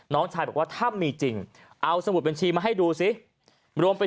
น้องชายบอกว่าถ้ามีจริงเอาสมุดเปินชีมาให้ดูสิ